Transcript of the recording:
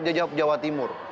dia jawab jawa timur